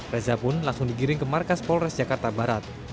reza pun langsung digiring ke markas polres jakarta barat